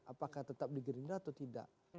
apakah tetap di gerindra atau tidak